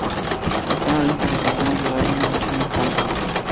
Esta es la lista de canciones del álbum en versión estándar.